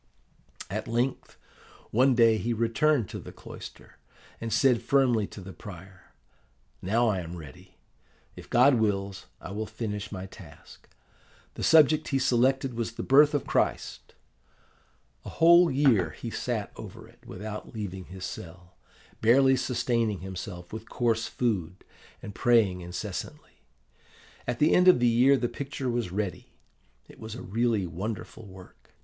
"At length, one day he returned to the cloister, and said firmly to the prior, 'Now I am ready. If God wills, I will finish my task.' The subject he selected was the Birth of Christ. A whole year he sat over it, without leaving his cell, barely sustaining himself with coarse food, and praying incessantly. At the end of the year the picture was ready. It was a really wonderful work.